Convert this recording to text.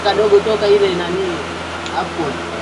Hii ni meza.